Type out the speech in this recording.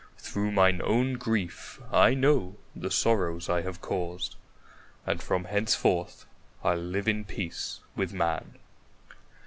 Through mine own grief I know the sorrows I have caused, and from henceforth I'll live in peace with man."